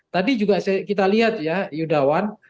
tadi juga kita lihat ya yudawan